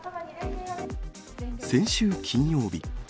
先週金曜日。